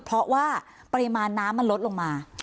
เพราะว่าปริมาณน้ำมันลดลงมา